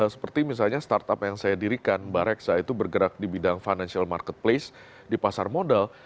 seperti misalnya startup yang saya dirikan bareksa itu bergerak di bidang financial marketplace di pasar modal